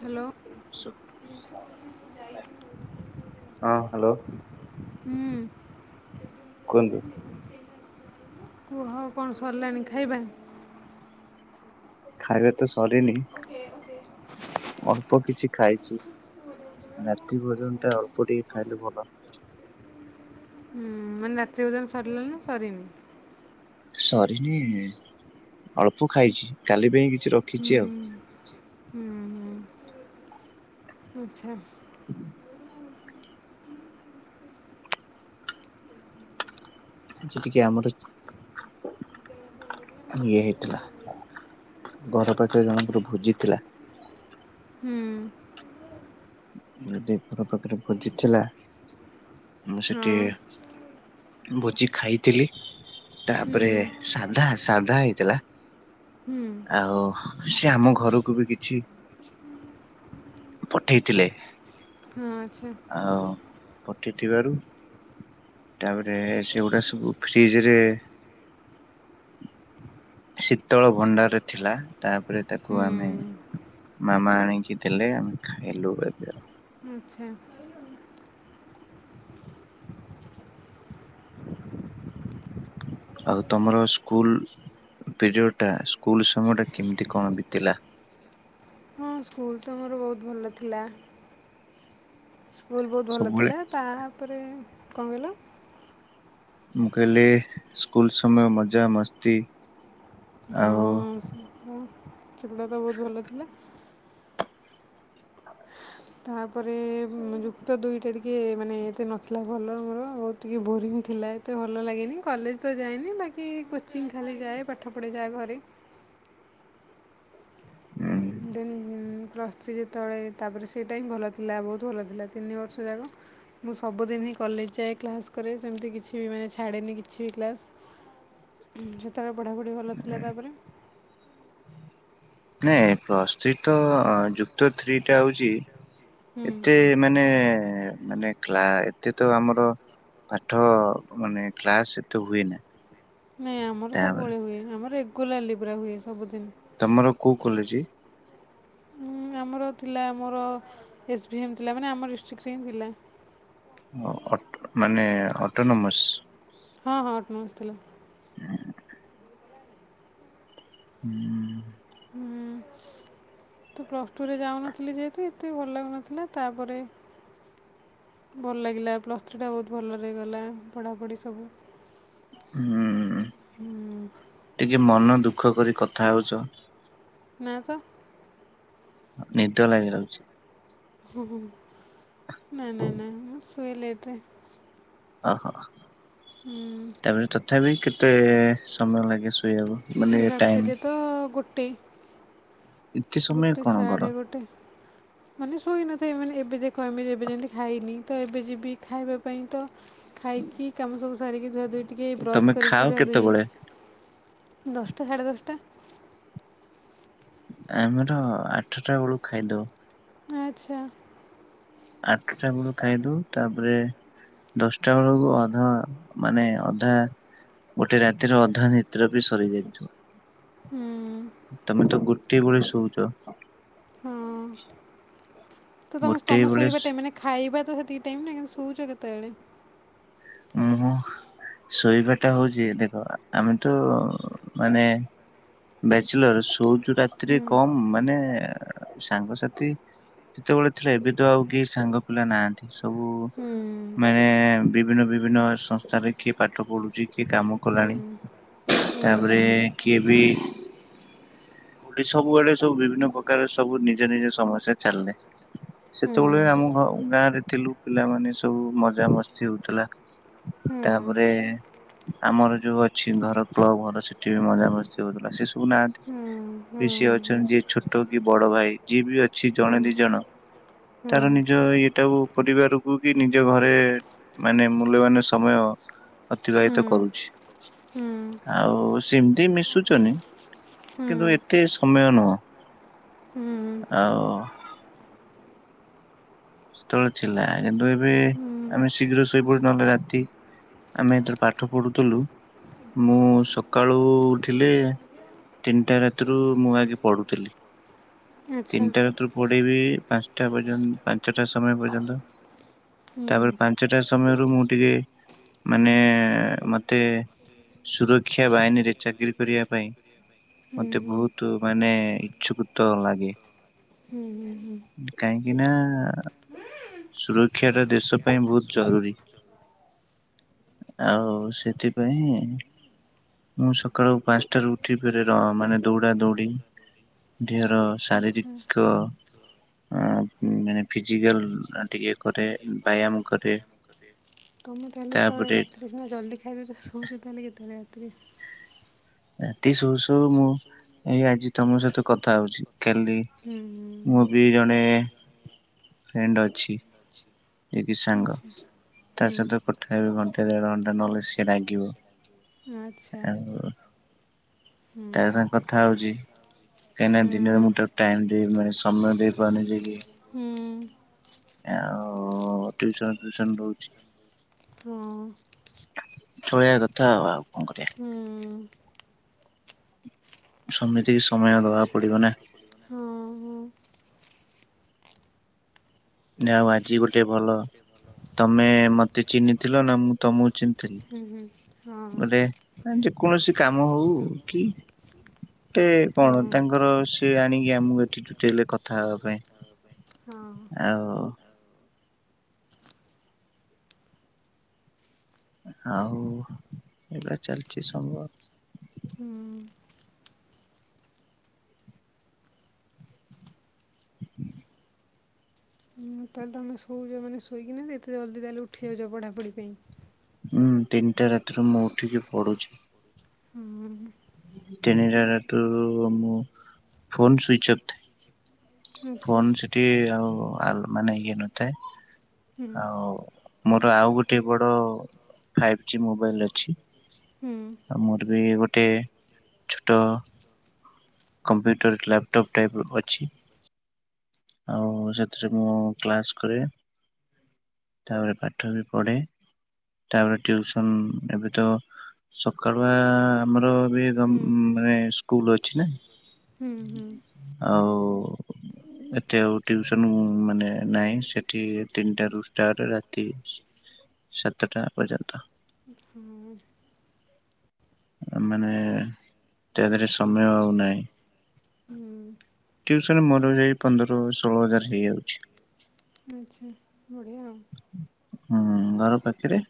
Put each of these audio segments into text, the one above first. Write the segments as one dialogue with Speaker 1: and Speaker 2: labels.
Speaker 1: Hello
Speaker 2: ସୁଖ [unintelligible] ହଁ hello
Speaker 1: ହଁ
Speaker 2: କୁହନ୍ତୁ?
Speaker 1: ତୁ ହଉ କଣ ସରିଲାଣି ଖାଇବା।
Speaker 2: ଖାଇବା ତ ସରିନି ଅଳ୍ପ କିଛି। ଖାଇଛି ରାତି ଭୋଜନ ଟା ଅଳ୍ପ ଟିକେ ଖାଇଲେ ଭଲ
Speaker 1: ହୁଁ ମାନେ ରାତି ଭୋଜନ ସରିଲାନ ନା ସରିନି?
Speaker 2: ସରିନି ଅଳ୍ପ ଖାଇଛି କାଲି ପାଇଁ କିଛି ରଖିଛି ଆଉ।
Speaker 1: ହଁ ହଁ ହ ଆଚଛା
Speaker 2: ଯେ ଟିକେ ଆମର ଇଏ ହେଇଥିଲା। ଘର ପାଖରେ ଜଣଙ୍କୁର ଭୋଜିଥିଲା।
Speaker 1: ହୁଁ।
Speaker 2: ଆଜି ଘର ପାଖରେ ଭୋଜି ଥିଲା। ମୁଁ
Speaker 1: ହଁ
Speaker 2: ସେଠି ଭୋଜି ଖାଇଥିଲି। ତାପରେ
Speaker 1: ହୁଁ
Speaker 2: ସାଧା ସାଧା ହେଇଥିଲା
Speaker 1: ହୁଁ
Speaker 2: ଆଉ। ସେ ଆମ ଘରକୁ ବି କିଛି ପଠେଇଥିଲେ।
Speaker 1: ହଁ ଆଚ୍ଛା
Speaker 2: ଆଉ ପଠେଇଥିବାରୁ ତା ପରେ ସେଗୁଡା ସବୁ ଫ୍ରିଜ ରେ ଶୀତଳ ଭଣ୍ଡାରରେ ଥିଲା ତାପରେ ତାକୁ
Speaker 1: ହୁଁ
Speaker 2: ଆମେ ମାମା ଆଣିକି ଦେଲେ ଆମେ ଖାଇଲୁ ଏବେ ଆଉ।
Speaker 1: ଆଚ୍ଛା।
Speaker 2: ଆଉ ତମର ସ୍କୁଲ୍ ପିରିୟଡ଼ଟା ସ୍କୁଲ୍ ସମୟ ଟା କେମିତି କଣ ବିତିଲା?
Speaker 1: ହଁ ସ୍କୁଲ୍ ସମୟରେ ବହୁତ ଭଲ ଥିଲା। ସ୍କୁଲ୍ ବହୁତ ଭଲ
Speaker 2: ସବୁବେଳେ
Speaker 1: ଥିଲା ତାପରେ କଣ କହିଲ?
Speaker 2: ମୁଁ କହିଲି ସ୍କୁଲ୍ ସମୟ ମଜା ମସ୍ତି ଆଉ
Speaker 1: ହଁ। ଛଗଡ଼ା ତ ବହୁତ ଭଲ ଥିଲା। ତାପରେ ଯୁକ୍ତ ଦୁଇଟା ଟିକେ ମାନେ ଏତେ ନଥିଲା ଭଲ ମୋର ଆଉ ଟିକେ ବୋରିଂ ଥିଲା ଏତେ ଭଲ ଲାଗେନି କଲେଜ୍ ତ ଯାଏନି ବାକି କୋଚିଂ ଖାଲି ଯାଏ, ପାଠ ପଢ଼େ ଯାହା ଘରେ
Speaker 2: ଉଁ
Speaker 1: ଦେନ୍ ପ୍ଲସ୍ ଥ୍ରୀ ଯେତେବେଳେ ତାପରେ ସେଇଟା ହିଁ ଭଲ ଥିଲା ବହୁତ ଭଲ ଥିଲା ତିନି ବର୍ଷ ଯାକ ମୁଁ ସବୁଦିନି କଲେଜ୍ ଯାଏ କ୍ଲାସ୍ କରେ ସେମିତି କିଛି ବି ମାନେ ଛାଡ଼େନି କିଛି ବି କ୍ଲାସ୍। ସେତେବେଳେ ପଢ଼ାପଢ଼ି ଭଲ ଥିଲା ତାପରେ
Speaker 2: ନାଇଁ ପ୍ଲସ ସ୍ତ୍ରୀ ତ ଯୁକ୍ତ ଥ୍ରୀ ଟା ହଉଛି ଏତେ ମାନେ ମାନେ କ୍ଲା ଏତେ ତ ଆମର ପାଠ ମାନେ କ୍ଲାସ୍ ଏତେ ହୁଏ ନା।
Speaker 1: ନାଇଁ ଆମର
Speaker 2: ତାପରେ
Speaker 1: ସବୁବେଳେ ହୁଏ ଆମର ରେଗୁଲାର୍ଲି ପୁରା ହୁଏ ସବୁଦିନ।
Speaker 2: ତମର କୋଉ କଲେଜ୍ କି?
Speaker 1: ଉଁ ଆମର ଥିଲା ଆମର ଏସ୍ଭି ଏମ୍ ଥିଲା ମାନେ ଆମ ଡିଷ୍ଟ୍ରିକ୍ଟରେ ହିଁ ଥିଲା।
Speaker 2: ଉଁ ଅଟ୍ ମାନେ ଅଟୋନମସ୍।
Speaker 1: ହଁ ହଁ ଅଟୋନମସ୍ ଥିଲା।
Speaker 2: ହୁଁ।
Speaker 1: ହୁଁ। ତ ପ୍ଲସ୍ ଟୁ ରେ ଯାଉନଥିଲି ଯେହେତୁ ଏତେ ଭଲ ଲାଗୁନଥିଲା ତାପରେ ଭଲ ଲାଗିଲା ପ୍ଲସ୍ ଥ୍ରୀଟା ବହୁତ ଭଲରେ ଗଲା ପଢ଼ାପଢ଼ି ସବୁ।
Speaker 2: ହୁଁ
Speaker 1: ଉଁ,
Speaker 2: ଟିକେ ମନ ଦୁଃଖ କରି କଥା ହଉଛ।
Speaker 1: ନା ତ
Speaker 2: ନିଦ ଲାଗିଯାଉଛି।
Speaker 1: ନାଇ ନାଇ ନାଇ ମୁଁ ସୁଏ ଲେଟ୍ ରେ
Speaker 2: ଓହୋ ତାପରେ ତଥାପି କେତେ ସମୟ ଲାଗେ ସୁ
Speaker 1: ରାତିରେ ତ ଗୋଟେ
Speaker 2: ଏତେ ସମୟ
Speaker 1: ଗୋଟେ
Speaker 2: କଣ କର
Speaker 1: ସାଡ଼େ ଗୋଟେ ମାନେ ଶୋଇନଥାଏ ମାନେ ଏବେ ଦେଖମେ ଏବେ ଯେମତି ଖାଇନି ତ ଏବେ ଯିବି ଖାଇବା ପାଇଁ ତ ଖାଇକି କାମ ସବୁ ସାରିକି ଧୁଆ ଧୁଇ ଟିକ ବ୍ରସ୍
Speaker 2: ତମେ ଖାଅ
Speaker 1: କରିକି ଧୁଆ ଧୁଇ,
Speaker 2: କେତେବେଳେ?
Speaker 1: ଦଶଟା ସାଢ଼େ ଦଶଟା।
Speaker 2: ଆମର ଆଠଟା ବେଳକୁ ଖାଇଦଉ।
Speaker 1: ଆଚ୍ଛା।
Speaker 2: ଆଟଠା ବେଳକୁ ଖାଇଦେଉ ତାପରେ ଦଶଟା ବେଳକୁ ଅଧା ମାନେ ଅଧା ଗୋଟେ ରାତିର ଅଧା ନିଦ୍ରା ବି ସରିଯାଇଥିବ।
Speaker 1: ହୁଁମ୍।
Speaker 2: ତମେ ତ ଗୋଟିଏ ବଳେ ଶୋଉଛ।
Speaker 1: ହଁମ୍ ତ ତମେ
Speaker 2: ଗୋଟିଏ
Speaker 1: ତମ
Speaker 2: ବେଳେ
Speaker 1: ଶୋଇବା ଟାଇମ୍ ମାନେ ଖାଇବା ତ ସେ ଏତିକି ଟାଇମ୍ ନା କିନ୍ତୁ ଶୋଉଛ କେତେବେଳେ?
Speaker 2: ଆ ହୋ। ଶୋଇବା ଟା ହଉଛି ଦେଖ ଆମେ ତ ମାନେ ବ୍ୟାଚଲର ଶୋଉଚୁ ରାତିରେ
Speaker 1: ହୁଁ
Speaker 2: କମ୍ ମାନେ ସାଙ୍ଗସାଥି ଯେତେବେଳେ ଥିଲା ଏବେ ତ ଆଉ କେହି ସାଙ୍ଗ ପିଲା ନାହାନ୍ତି। ସବୁ
Speaker 1: ହୁଁ
Speaker 2: ମାନେ ବିଭିନ୍ନ ବିଭିନ୍ନ ସଂସ୍ଥାରେ କିଏ ପାଠ ପଢୁଛି। କିଏ କାମ
Speaker 1: ହୁଁ
Speaker 2: କଲାଣି
Speaker 1: ହୁଁ
Speaker 2: ତାପରେ କିଏ ବି ପୁଣି ସବୁଆଡେ ସବୁ ବିଭିନ୍ନ ପ୍ରକାର ସବୁ ନିଜ ନିଜ ସମସ୍ୟା ଚାଲିଲେ।
Speaker 1: ହୁଁ
Speaker 2: ସେତେବେଳେ ଆମ ଗାଁରେ ଥିଲୁ ପିଲାମାନେ ସବୁ ମଜା ମସ୍ତି ହଉଥିଲା।
Speaker 1: ହୁଁ
Speaker 2: ତାପରେ ଆମର ଯୋଉ ଅଛି ଘର କ୍ଲବ ଘର ସେଠି ବି ମଜା ମସ୍ତି ହଉଥିଲା ସେ ସୁ ଶୁ ନାହାନ୍ତି
Speaker 1: ହୁଁ ହୁଁ ହୁଁ ହୁଁ ହୁଁ
Speaker 2: ବେଶି ଅଛନ୍ତି ଯିଏ ଛୋଟ କି ବଡ ଭାଇ। ଯିଏ ବି ଅଛି ଜଣେ ଦି ଜଣ
Speaker 1: ହୁଁ
Speaker 2: ତାର ନିଜ ଇଏ ଟା ଆଉ ପରିବାର କୁ ବି ନିଜ ଘରେ ମାନେ ମୂଲ୍ୟବାନ ସମୟ ଅତିବାହିତ କରୁଛି, ଆଉ ସେମିତି ମିଶୁଛନ୍ତି। କିନ୍ତୁ ଏତେ ସମୟ ନୁହଁ।
Speaker 1: ହୁଁ ହୁଁ
Speaker 2: ଆଉ ସେତେବେଳେ ଥିଲା, କିନ୍ତୁ ଏବେ
Speaker 1: ହୁଁ
Speaker 2: ଆମେ ଶୀଘ୍ର ଶୋଇପଡ଼ୁ ନହେଲେ ରାତି ଆମେ ଏଥିରେ ପାଠ ପଢ଼ୁଥିଲୁ। ମୁଁ ସକାଳୁ ଉଠିଲେ ତିନିଟା ରାତିରୁ ମୁଁ ଆଗେ ପଢୁଥିଲି।
Speaker 1: ଆଚ୍ଛା
Speaker 2: ତିନିଟା ରାତିରୁ ପଢ଼ିବି ପାଞ୍ଚଟା ପର୍ଯ୍ୟନ୍ତ ପାଞ୍ଚଟା ସମୟ ପର୍ଯ୍ୟନ୍ତ। ତାପରେ ପାଞ୍ଚଟା ସମୟରୁ ମୁଁ ଟିକେ ମାନେ ମୋତେ ସୁରକ୍ଷା ବାହିନୀରେ ଚାକିରି କରିବା ପାଇଁ ମୋତେ ବହୁତ ମାନେ ଇଛୁକୃତ ଲାଗେ। କାହିଁକି ନା ସୁରକ୍ଷାଟା ଦେଶ ପାଇଁ ବହୁତ ଜରୁରୀ। ଆଉ ସେଥିପାଇଁ ମୁଁ ସକାଳୁ ପାଞ୍ଚଟାରୁ ଉଠି ଫିର୍ ରନ୍ ମାନେ ଦୌଡା ଦୋଉଡ଼ି ଦେହର ସ ଶାରୀରିକ ମାନେ ଫିଜିକାଲ୍ ଟିକେ କରେ ବ୍ୟାୟାମ କରେ।
Speaker 1: ତୁମେ ତାହେଲେ ଯେତେବେଳେ
Speaker 2: ତାପରେ
Speaker 1: ରାତିରେ ସିନା ଜଲ୍ଦି ଖାଇଦଉଛ ଶୋଉଛ ତାହେଲେ କେତେବେଳେ ରାତିରେ?
Speaker 2: ରାତି ଶୋଉ ଶୋଉ ମୁଁ ଏଇ ଆଜି ତମ ସହିତ କଥା ହଉଛି। କାଲି
Speaker 1: ହୁଁ,
Speaker 2: ମୁଁ ବି ଜଣେ ଫ୍ରେଣ୍ଡ୍ ଅଛି। [unintelligible] ସାଙ୍ଗ
Speaker 1: ଆଚ୍ଛା
Speaker 2: ତା
Speaker 1: ହୁଁ,
Speaker 2: ସହିତ କଥା ହେବି ଘଣ୍ଟା ଦେଢ ଘଣ୍ଟା ନହେଲେ ସିଏ ରାଗିବ।
Speaker 1: ଆଚ୍ଛା।
Speaker 2: ଆଉ ତା
Speaker 1: ହୁଁ,
Speaker 2: ସାଙ୍ଗେ କଥା ହଉଛି କାହିଁକି ନା ଦିନରେ
Speaker 1: ହୁଁ,
Speaker 2: ମୁଁ ତାକୁ ଟାଇମ୍ ଦେଇ ପାରୁନି। ସମୟ ଦେଇ ପାରୁନି ଯିଏକି
Speaker 1: ହୁଁମ୍।
Speaker 2: ଆଉ ଟିଉସନ୍ ଫିଉସନ୍ ରହୁଚି।
Speaker 1: ହଁ
Speaker 2: ଚଳିବା କଥା ଆଉ ଆଉ କଣ କରିବା।
Speaker 1: ହୁଁ
Speaker 2: ସମିତିକି ସମୟ ଦବାକୁ ପଡିବନ ନା।
Speaker 1: ହଁ ହଁ
Speaker 2: ଯା ହୋଉ ଆଜି ଗୋଟେ ଭଲ ତମେ ମତେ ଚିହ୍ନିଥିଲ ନା ମୁଁ ତମକୁ ଚିନ୍
Speaker 1: ହୁଁ ହୁଁ ହଁ।
Speaker 2: ନା ଯେକୌଣସି କାମ ହୋଉ କି ଗୋଟେ
Speaker 1: ହଁ
Speaker 2: କଣ
Speaker 1: ହଁ
Speaker 2: ତାଙ୍କର ସିଏ ଆଣିକି ଆମକୁ ଏଠି ଜୁଟେଇଲେ କଥା ହବାପାଇଁ।
Speaker 1: ହଁହଁ।
Speaker 2: ଆଉ ଆଉ ଏଇଭଳିଆ ଚାଲଚି ସବ୍ ମୋର।
Speaker 1: ହୁଁ। ହୁଁ ତାହେଲେ ତମେ ଶୋଉଚ ମାନେ ଶୋଇକିନା ବି ଏତେ ଜଲଦି ତାହେଲେ ଉଠିଯାଉଚ ପଢାପଢି ପାଇଁ।
Speaker 2: ଉଁ ତିନଟା ରାତିରୁ ମୁଁ ଉଠିକି ପଢ଼ୁଚି।
Speaker 1: ହୁଁ
Speaker 2: ତିନିଟା ରାତିରୁ ମୁଁ ଫୋନ ସୁଇଚ ଅପ୍ ଥାଏ।
Speaker 1: ଆଚ୍ଛା
Speaker 2: ଫୋନ ସେଠି ଆଉ ଆଲ୍-ମାନେ ଇଏ ନଥାଏ
Speaker 1: ହୁଁ
Speaker 2: ଆଉ ମୋର ଆଉ ଗୋଟିଏ ବଡ଼ ଫାଇପ୍ ଜି ମୋବାଇଲ ଅଛି।
Speaker 1: ହୁଁ
Speaker 2: ଆଉ ମୋର ବି ଗୋଟେ ଛୋଟ କମ୍ପ୍ୟୁଟର୍ ଲ୍ୟାପଟପ୍ ଟାଇପର ଅଛି। ଆଉ ସେଥିରେ ମୁଁ କ୍ଲାସ୍ କରେ। ତାପରେ ପାଠ ବି ପଢେ। ତାପରେ ଟିଉସନ ଏବେ ତ ସକାଳୁଆ ଆମର ମାନେ କଁ
Speaker 1: ହୁଁ
Speaker 2: ମାନେ ସ୍କୁଲ ଅଛି ନା
Speaker 1: ହୁଁ ହୁଁ
Speaker 2: ଆଉ ଏତେ ଆଉ ଟିଉସନକୁ ମାନେ ନାଇଁ ସେଠି ତିନଟା ରୁ ଷ୍ଟାର୍ଟ ରାତି ସାତଟା ପର୍ଯ୍ୟନ୍ତ।
Speaker 1: ହଁ
Speaker 2: ଆ ମାନେ ତା ଦେହରେ ସମୟ ଆଉ ନାଇଁ।
Speaker 1: ହୁଁ
Speaker 2: ଟିଉସନରେ ମୋର ଏଇ ପନ୍ଦର ଷୋହଳ ହଜାର ହେଇଯାଉଚି।
Speaker 1: ଆଚ୍ଛା ବଢିଆ ଆଉ।
Speaker 2: ହୁଁ ଘର ପାଖରେ।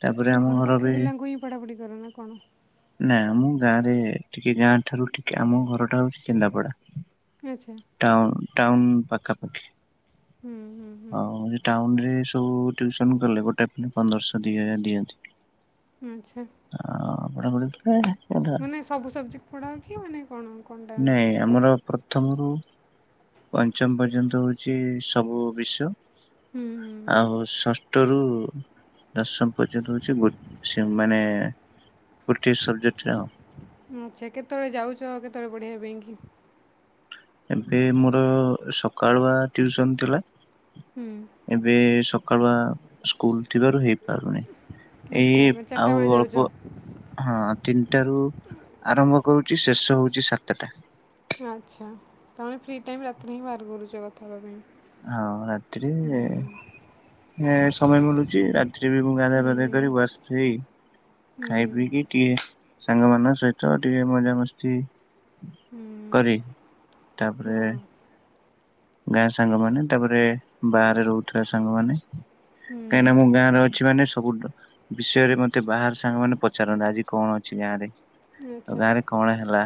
Speaker 2: ତାପରେ ଆମ
Speaker 1: ଘର ପାଖ ପିଲାଙ୍କୁ ହିଁ ପଢାପଢି କର ନା କଣ?
Speaker 2: ନାଇଁ ଆମ ଗାଁରେ ଟିକେ ଗାଁଠାରୁ ଟିକେ ଆମ ଘରଟା ହୋଉଚି କେନ୍ଦାପଡା।
Speaker 1: ଆଚ୍ଛା
Speaker 2: ଟାଉନ୍-ଟାଉନ୍ ପାଖାପାଖି।
Speaker 1: ହୁଁ ହୁଁ ହୁଁ
Speaker 2: ଆଉ ଯେ ଟାଉନରେ ସ୍ ସବୁ ଟିଉସନ୍ କଲେ ଗୋଟେ ପିଲା ପନ୍ଦରଶ ଦିଏ ଦିଅନ୍ତି।
Speaker 1: ଉଁ ଆଚ୍ଛା।
Speaker 2: ଆପଣ ପଢୁଥୁବେ
Speaker 1: ମାନେ ସବୁ ସବଜେକ୍ଟ ପଢାଅ କି ମାନେ କଣ? କଣଟା
Speaker 2: ନାଇଁ ଆମର ପ୍ର ପ୍ରଥମରୁ ପଞ୍ଚମ ପର୍ଯ୍ୟନ୍ତ ହୋଉଚି ସବୁ ବିଷୟ।
Speaker 1: ହୁଁ ହୁଁ
Speaker 2: ଆଉ ଷଷ୍ଠରୁ ଦଶମ ପର୍ଯ୍ୟନ୍ତ ହୋଉଚି ଗୋ-ସେମାନେ ଗୋଟିଏ ସବଜେକ୍ଟରେ ଆଉ।
Speaker 1: ଆଚ୍ଛା କେତୋଳେ ଯାଉଚ କେତୋଳେ ପଢେଇବା ପାଇଁକି?
Speaker 2: ଏବେ ମୋର ସକାଳୁଆ ଟିଉସନ୍ ଥିଲା।
Speaker 1: ହୁଁ
Speaker 2: ଏବେ ସକାଳୁଆ ସ୍କୁଲ ଥିବାରୁ ହେଇପାରୁନେଇ।
Speaker 1: ଆଚ୍ଛା
Speaker 2: ଏଇ
Speaker 1: ମାନେ ଚାରିଟା
Speaker 2: ଆଉ
Speaker 1: ବେଳେ ଯାଉଛ
Speaker 2: ଅଳ୍ପ ହଁ ତିନଟାରୁ ଆରମ୍ଭ କରୁଚି ଶେଷ ହୋଉଚି ସାତଟା।
Speaker 1: ଆଚ୍ଛା ତମେ ଫ୍ରି ଟାଇମ ରାତିରେ ହିଁ ବାହାର କରୁଛ କଥା ହେବା ପାଇଁ।
Speaker 2: ହଁ ରାତିରେ।
Speaker 1: ହୁଁ
Speaker 2: ହଁ ସମୟ ମିଳୁଛି ରାତିରେ ବି ମୁଁ ଗାଧା ପାଧା କରି
Speaker 1: ହୁଁ
Speaker 2: ବସିଥିବି।
Speaker 1: ହୁଁ
Speaker 2: ଖାଇ ପିଇକି ଟିକେ ସାଙ୍ଗ ମାନଙ୍କ ସହିତ ଟିକେ ମଜାମସ୍ତି।
Speaker 1: ହୁଁ
Speaker 2: କରି
Speaker 1: ହଁ
Speaker 2: ତାପରେ ଗ୍ୟାସ ସାଙ୍ଗମାନେ ତାପରେ ବାହାରେ ରହୁଥିବା ସାଙ୍ଗମାନେ କାହିଁକି ନା ମୁଁ
Speaker 1: ହୁଁ
Speaker 2: ଗାଁରେ ଅଛି ମାନେ ସବୁ ବିଷୟରେ ମତେ ବାହାର ସାଙ୍ଗ ମାନେ ପଚାରନ୍ତ ଆଜି କଣ ଅଛି ଗାଁ ରେ। ଆଉ
Speaker 1: ଆଚ୍ଛା
Speaker 2: ଗାଁ ରେ କଣ ହେଲା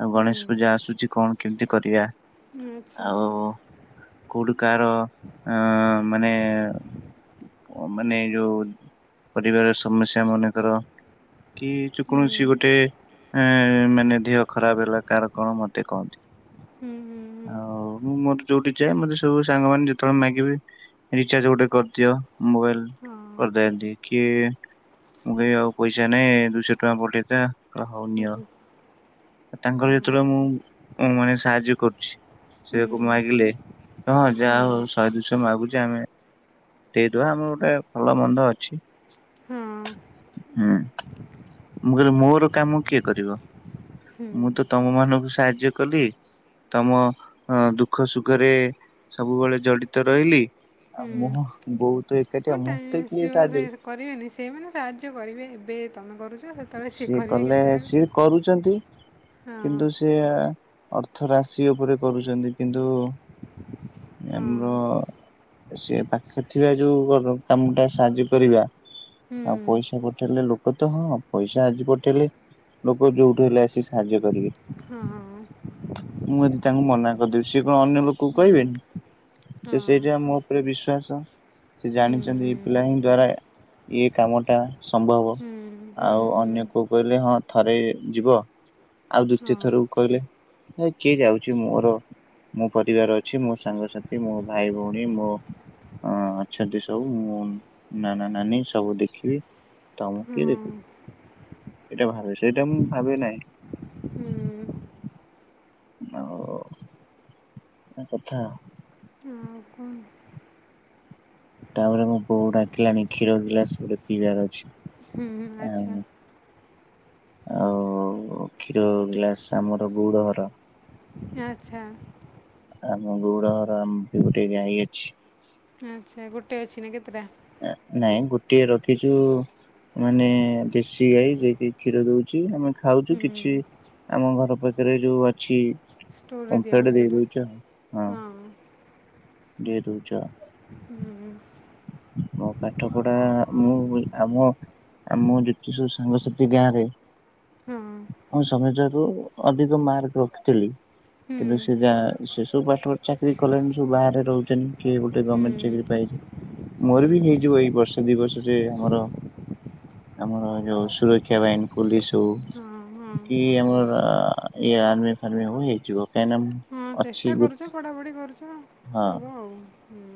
Speaker 2: ଆଉ ଗଣେଶ ପୂଜା
Speaker 1: ହୁଁ
Speaker 2: ଆସୁଛି କଣ କେମିତି କରିବା?
Speaker 1: ଆଚ୍ଛା।
Speaker 2: ଆଉ କୋଉଠୁ କାର ଆ ମାନେ। ମାନେ ଏ ଯୋଉ ପରିବାର ସମସ୍ୟା ମନେକର। କି ଯେ
Speaker 1: ହୁଁ
Speaker 2: କୌଣସି ଗୋଟେ ଅଁ ମାନେ ଦେହ ଖରାପ ହେଲା କାହାର କଣ ମତେ କହନ୍ତି।
Speaker 1: ହୁଁ ହୁଁ ହୁଁ
Speaker 2: ଆଉ ମୁଁ ମୋର ଯୋଉଠି ଯାଏ ମତେ ସବୁ ସାଙ୍ଗମାନେ ଯେତେବେଳେ ମାଗିବି ରିଚାର୍ଜ ଗୋଟେ କରିଦିଅ ମୋବାଇଲ।
Speaker 1: ହଁ
Speaker 2: କରିଦିଅନ୍ତି କିଏ ମୁଁ କହିବି ଆଉ ପଇସା ନାହିଁ ଦୁଇଶହ ଟଙ୍କା ପଠେଇଥା। ହଉ ନିଅ
Speaker 1: ହଁ
Speaker 2: ତାଙ୍କର
Speaker 1: ହୁଁ
Speaker 2: ଯେତେବେଳେ ମୁଁ ଉଁ ମାନେ ସାହାଯ୍ୟ କରୁଛି।
Speaker 1: ହୁଁ।
Speaker 2: ଲେ ହଁ ଯାହା ହଉ ଶହେ ଦୁଇ ମାଗୁଛେ ଆମେ ଦେଇଦବା ଆମର ଗୋଟେ ଭଲ ମନ୍ଦ ଅଛି।
Speaker 1: ହଁ
Speaker 2: ହୁଁ। ମୁଁ କହିଲି ମୋର କାମ କିଏ କରିବ
Speaker 1: ହୁଁ
Speaker 2: ମୁଁ ତ ତମ ମାନଙ୍କୁ ସାହା ଯ୍ୟ କଲି ତମ ଅଁ ଦୁଃଖ ସୁଖରେ ସବୁବେଳେ ଜଡିତ ରହିଲି। ଆଉ
Speaker 1: ହୁଁ
Speaker 2: ମୁଁ ବହୁତ ଏକାଠିଆ
Speaker 1: ହଁ ଟା
Speaker 2: ମତେ କିଏ
Speaker 1: ସିଏ
Speaker 2: ସାହାଯ୍ୟ
Speaker 1: ସେଇ ସ କରିବେନି ସେଇମାନେ ସାହାଯ୍ୟ କରିବେ। ଏବେ ତ
Speaker 2: ସିଏ କଲେ ସିଏ କରୁଛନ୍ତି
Speaker 1: ହଁ
Speaker 2: କିନ୍ତୁ ସିଏ। ଅର୍ଥ ରାଶି ଉପରେ କରୁଛନ୍ତି କିନ୍ତୁ ଆମର। ସେ ପାଖରେ ଥିବା ଯୋଉ କାମ ଟା ସାହାଯ୍ୟ କରିବା। ଆଉ ପଇସା ପଠେଇଲେ ଲୋକ। ତ ହଁ ପଇସା ଆଜି ପଠେଇଲେ ଲୋକ ଯୋଉଠୁ ହେଲେ ଆସିିକି ସାହାଯ୍ୟ କରିବେ।
Speaker 1: ହଁଁ।
Speaker 2: ମୁଁ ଯଦି ତାଙ୍କୁ ମନା କରିଦେବି ସେ କଣ ଅନ୍ୟ ଲୋକକୁ କହିବେନି। ସେ ସେଇଟା ମୋ ଉପରେ ବିଶ୍ଵାସ। ସେ ଜାଣିଛନ୍ତି ଏଇ ପିଲା ଙ୍କ ଦ୍ଵାରା ଇଏ କାମ ଟା ସମ୍ଭ
Speaker 1: ହୁଁ ହୁଁ ହୁଁ।
Speaker 2: କୋଉ କହିଲେ ହଁ ଥରେ ଯିବ ଆଉ ଦ୍ୱିତୀୟ ଥରକୁ କହିଲେ। ହେ କିଏ ଯାଉଛି ମୋର। ମୋ ପରିବାର ଅଛି ମୋ ସାଙ୍ଗସାଥି ମୋ ଭାଇ ଭଉଣୀ ମୋ। ହଁ ଅଛନ୍ତି ସବୁ ମୁଁ ନାନା ନାନୀ ସବୁ ଦେଖିବି ତ। କିଏ ଦେଖେ ଏଇଟା ଭାବେ ସେଇଟା ମୁଁ ଭାବେ ନାହିଁ।
Speaker 1: ହୁଁ।
Speaker 2: ଆଉ [unintelligible] କଥା ଆଉ।
Speaker 1: ଆଉ କଣ
Speaker 2: ତାପରେ ମୋ ବୋଉକୁ ଡାକି ଆଣି କ୍ଷୀର ଗ୍ଲାସ୍ ରେ ପିଇବାର ଅଛି।
Speaker 1: ହୁଁ ହୁଁ ଆଚ୍ଛା।
Speaker 2: ଆଉ ଆଉ କ୍ଷୀର ଗ୍ଲାସ ଆମର ଗଉଡ ଘର।
Speaker 1: ଆଚ୍ଛା।
Speaker 2: ଆମ ଗଉଡର ଆମ ବି ଗୋଟେ ଗାଈ ଅଛି।
Speaker 1: ଆଚ୍ଛା ଗୋଟେ ଅଛି ନା କେତେଟା?
Speaker 2: ନାଇଁ ଗୋଟିଏ ରଖିଛୁ। ମାନେ ଦେଶୀ ଗାଈ ଯେକି କ୍ଷୀର ଦଉଛି ଆମେ ଖାଉଛୁ
Speaker 1: ହୁଁ
Speaker 2: କିଛି। ଆମ ଘର ପାଖରେ ଯୋଉ ଅଛି।
Speaker 1: ଷ୍ଟୋରରେ ଦିଆ
Speaker 2: ଓମ୍ଫେଡ
Speaker 1: ହୁଏ
Speaker 2: ଦେଇ
Speaker 1: ଯୋଉଟା
Speaker 2: ଦଉଛୁ ଆଉ
Speaker 1: ହଁ। ହୁଁ
Speaker 2: [unintelligible] ମୋ ପାଠ ପଢା ମୁଁ ଆମ ଆଉ ମୁଁ ଜତି ସବୁ ସାଙ୍ଗସଥି ଗାଁ ରେ
Speaker 1: ହଁ
Speaker 2: ମୁଁ ସମୁଜୁ ଅଧିକ ମାର୍କ ରଖିଥିଲି
Speaker 1: ହୁଁ
Speaker 2: କିନ୍ତୁ ସେ ଯା ସେ ସବୁ ପାଠ [unintelligible] ଚାକିରି କଲେଣି ସବୁ ବାହାରେ ରହୁଛନ୍ତି କିଏ ଗୋଟେ
Speaker 1: ହୁଁ
Speaker 2: ଗର୍ଣ୍ଣମେଣ୍ଟ
Speaker 1: ହୁଁ
Speaker 2: ଚାକିରି ପାଇନି। ମୋର ବି
Speaker 1: ହଁ
Speaker 2: ହେଇଯିବ ଏଇ ବର୍ଷ ଦି ବର୍ଷରେ ଆମର ଆମର ଯୋଉ ସୁରକ୍ଷା ବାହିନୀ ପୋଲିସ
Speaker 1: ହଁ
Speaker 2: ହଉ କି ଆମର ଇଏ ଆର୍ମି ଫାର୍ମି ହବ ହେଇଯିବ କାହିଁନା
Speaker 1: ହଁ ଚେଷ୍ଟା କରୁଛୁ ପଢ଼ାପଢ଼ି କରୁଛୁ
Speaker 2: ହଁ
Speaker 1: ହେବ ଆଉ ହୁଁ।